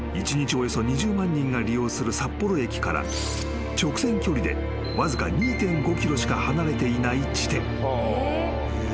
およそ２０万人が利用する札幌駅から直線距離でわずか２．５ｋｍしか離れていない地点］